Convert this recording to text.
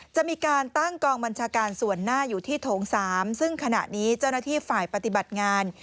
จะมีการตั้งกองบัญชาการส่วนหน้าอยู่ที่โถง๓ซึ่งขณะนี้เจ้าหน้าที่ฝ่ายปฏิบัติงาน